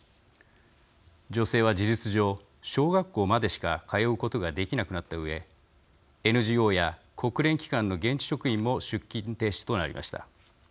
女性は事実上小学校までしか通うことができなくなったうえＮＧＯや国連機関の現地職員も出勤停止となりました。